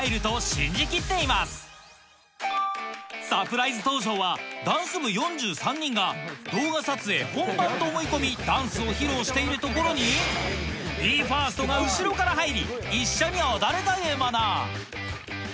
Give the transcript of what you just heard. サプライズ登場はダンス部４３人が動画撮影本番と思い込みダンスを披露しているところにＢＥ：ＦＩＲＳＴが後ろから入り一緒に踊るというもの